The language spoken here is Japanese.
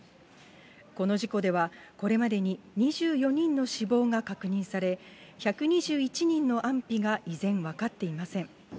この事故では、これまでに２４人の死亡が確認され、１２１人の安否が依然、分かっていません。